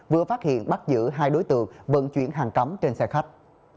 vừa phát hiện bắt giữ hai đối tượng vận chuyển hàng cấm trên xe khách